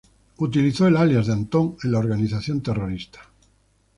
Utilizó el alias de "Antón" en la organización terrorista.